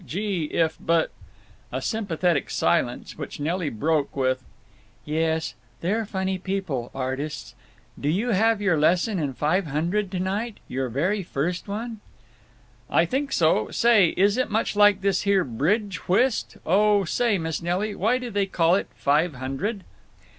Gee! if—But—" A sympathetic silence, which Nelly broke with: "Yes, they're funny people. Artists…. Do you have your lesson in Five Hundred tonight? Your very first one?" "I think so. Say, is it much like this here bridge whist? Oh say, Miss Nelly, why do they call it Five Hundred?"